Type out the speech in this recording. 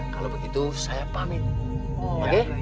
kalau begitu saya pamit